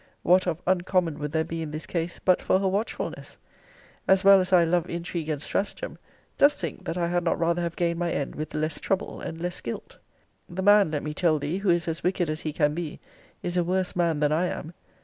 What of uncommon would there be in this case, but for her watchfulness! As well as I love intrigue and stratagem, dost think that I had not rather have gained my end with less trouble and less guilt? The man, let me tell thee, who is as wicked as he can be, is a worse man than I am.